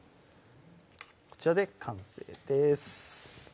こちらで完成です